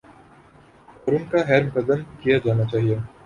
اور ان کا خیر مقدم کیا جانا چاہیے۔